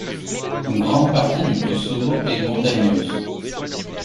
Une grande partie du Kosovo est montagneuse.